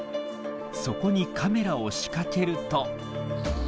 そこにカメラを仕掛けると。